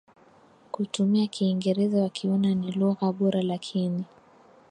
kutumia Kiingereza wakiona ni lugha bora Lakini